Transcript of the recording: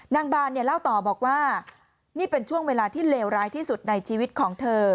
นางบานเนี่ยเล่าต่อบอกว่านี่เป็นช่วงเวลาที่เลวร้ายที่สุดในชีวิตของเธอ